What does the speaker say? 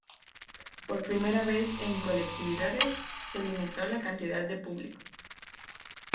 Por primera vez en colectividades, se limitó la cantidad de público.